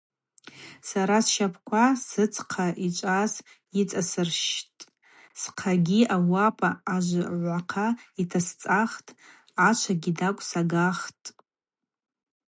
Сара сщапӏква сыдзхъа йычваз йыцӏасырщщтӏ, схъагьи ауапӏа ажвгӏвахъа йтасцӏахтӏ, ачвагьи тӏакӏв сагахтӏ.